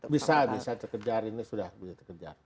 bisa bisa terkejar ini sudah bisa terkejar